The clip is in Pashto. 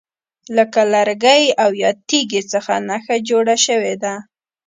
لکه له لرګي او یا تیږي څخه نښه جوړه شوې ده.